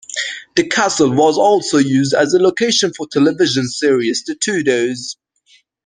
The castle was also used as a location for television series "The Tudors".